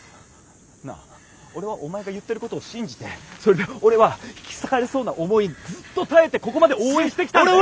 なあ俺はお前が言ってることを信じてそれで俺は引き裂かれそうな思いずっと耐えてここまで応援してきたんだよ。